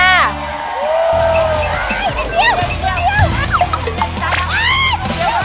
ไม่ไม่เดี๋ยวไม่เดี๋ยว